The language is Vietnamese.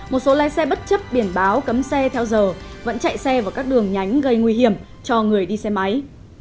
một số lái xe bất chấp biển báo cấm xe theo giờ vẫn chạy xe vào các đường nhánh gây nguy hiểm cho người đi xe máy